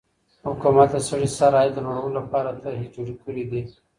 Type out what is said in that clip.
حکومت د سړي سر عاید د لوړولو لپاره طرحې جوړي کړې دي.